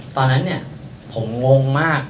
ตอนนั้นเนี่ยผมงงมาก